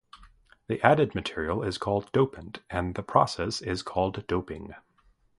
The added material is called dopant and the process is called doping.